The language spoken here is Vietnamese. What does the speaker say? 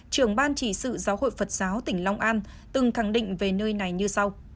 trưởng ban chỉ sự giáo hội phật giáo tỉnh long an từng khẳng định về nơi này như sau